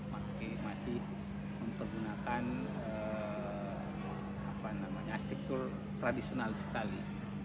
masjid ini menggunakan struktur tradisional sekali